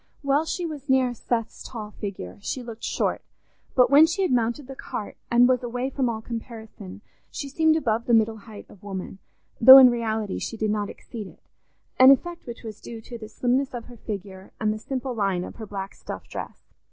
While she was near Seth's tall figure, she looked short, but when she had mounted the cart, and was away from all comparison, she seemed above the middle height of woman, though in reality she did not exceed it—an effect which was due to the slimness of her figure and the simple line of her black stuff dress.